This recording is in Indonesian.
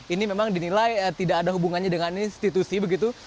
ini memang dinilai tidak ada hubungannya dengan institusi begitu